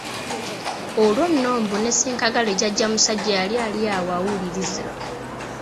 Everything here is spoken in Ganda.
Olwo nno mbu ne Ssenkaggale Jjajja musajja yali ali awo awuliriza.